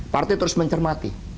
partai terus mencermati